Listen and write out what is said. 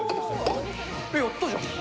やったじゃん。